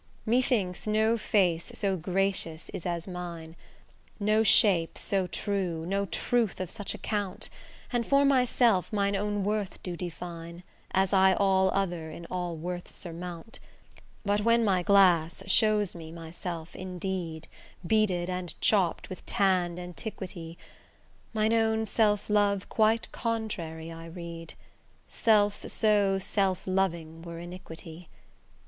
Methinks no face so gracious is as mine, No shape so true, no truth of such account; And for myself mine own worth do define, As I all other in all worths surmount. But when my glass shows me myself indeed Beated and chopp'd with tanned antiquity, Mine own self love quite contrary I read; Self so self loving were iniquity.